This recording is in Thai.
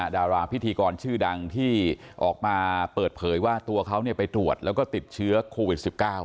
ดาราพิธีกรชื่อดังที่ออกมาเปิดเผยว่าตัวเขาไปตรวจแล้วก็ติดเชื้อโควิด๑๙